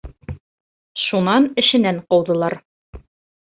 Шунан эшенән ҡыуҙылар...